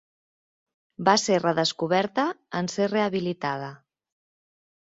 Va ser redescoberta en ser rehabilitada.